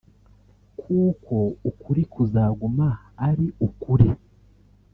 kuko ukuri kuzaguma ari ukuri